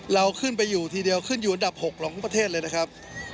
เราขึ้นไปอยู่ทีเดียวขึ้นอยู่อันดับ๖ของประเทศเลยนะครับ